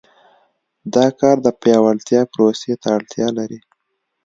دا کار د پیاوړتیا پروسې ته اړتیا لري.